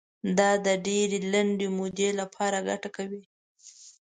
دا د ډېرې لنډې مودې لپاره ګټه کوي.